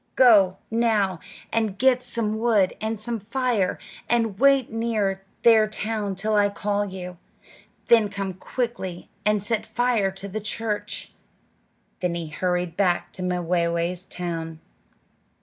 Go, now, and get some wood and some fire, and wait near their town until I call you; then come quickly and set fire to the church." Then he hurried back to Mwayway's town.